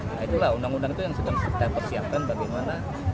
nah itulah undang undang itu yang sedang kita persiapkan bagaimana